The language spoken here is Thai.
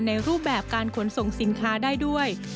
รูปแบบการขนส่งสินค้าได้ด้วย